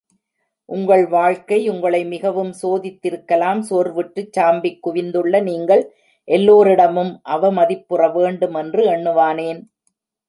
உங்கள் வாழ்க்கை உங்களை மிகவும் சோதித்திருக்கலாம் சோர்வுற்றுச் சாம்பிக் குவிந்துள்ள நீங்கள் எல்லோரிடமும் அவமதிப்புற வேண்டும் என்று எண்ணுவானேன்?...